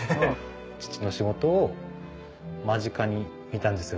父の仕事を間近に見たんですよ。